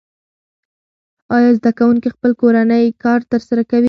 آیا زده کوونکي خپل کورنی کار ترسره کوي؟